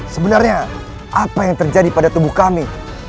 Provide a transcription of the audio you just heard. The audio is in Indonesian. sebenarnya apa yang terjadi pada tubuh kami